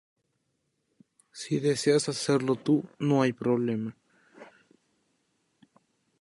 Si deseas hacerlo tú, no hay problema.